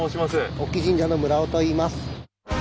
隠岐神社の村尾といいます。